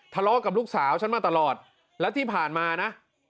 ทะเลาะกับลูกสาวฉันมาตลอดและที่ผ่านมานะ